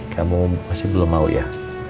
kamu masih belum mau ya